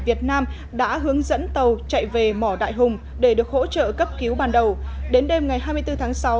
việt nam đã hướng dẫn tàu chạy về mỏ đại hùng để được hỗ trợ cấp cứu ban đầu đến đêm ngày hai mươi bốn tháng sáu